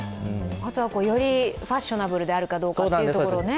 あとはよりファッショナブルであるかどうかというところですね。